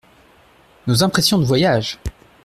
Nos impressions de voyage !